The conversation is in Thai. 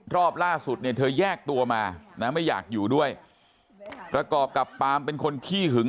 รอบล่าสุดเนี่ยเธอแยกตัวมานะไม่อยากอยู่ด้วยประกอบกับปามเป็นคนขี้หึง